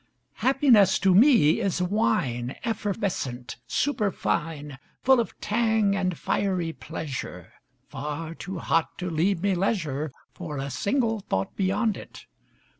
Happiness to me is wine, Effervescent, superfine. Full of tang and fiery pleasure, Far too hot to leave me leisure For a single thought beyond it.